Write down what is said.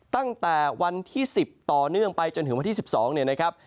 ตั้งแต่วันที่๑๐ต่อเนื่องไปจนถึงวันที่๑๒เนี่ยนะครับ